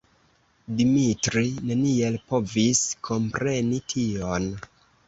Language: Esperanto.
Dimitri neniel povis kompreni tion.